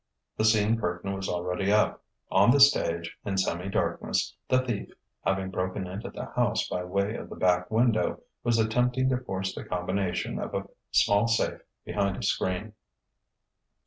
The scene curtain was already up; on the stage, in semi darkness, the Thief, having broken into the house by way of the back window, was attempting to force the combination of a small safe behind a screen....